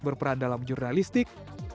berperan dalam jurnalistik